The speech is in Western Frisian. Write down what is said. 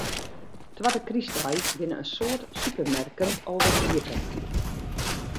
Twadde krystdei binne in soad supermerken alwer iepen.